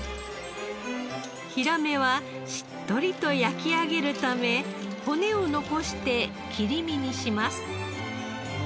ヒラメはしっとりと焼き上げるため骨を残して切り身にします。